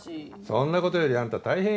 そんな事よりあんた大変よ。